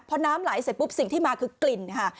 พอน้ำไหลเสร็จปุ๊บสิ่งที่มาคือกลิ่นค่ะ